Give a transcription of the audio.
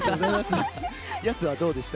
ヤスはどうでした？